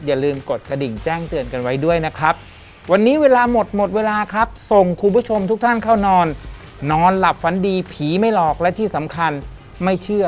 อย่าลืมกดกระดิ่งแจ้งเตือนกันไว้ด้วยนะครับวันนี้เวลาหมดหมดเวลาครับส่งคุณผู้ชมทุกท่านเข้านอนนอนหลับฝันดีผีไม่หลอกและที่สำคัญไม่เชื่อ